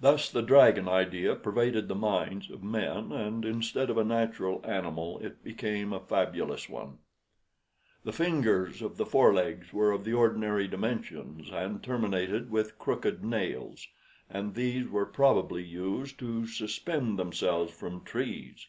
Thus the dragon idea pervaded the minds of men, and instead of a natural animal it became a fabulous one. "The fingers of the forelegs were of the ordinary dimensions, and terminated with crooked nails, and these were probably used to suspend themselves from trees.